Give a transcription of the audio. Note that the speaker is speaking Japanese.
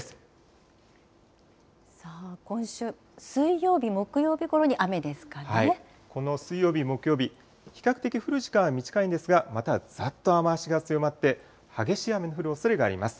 今週、水曜日、この水曜日、木曜日、比較的降る時間は短いんですが、またざっと雨足が強まって、激しい雨の降るおそれがあります。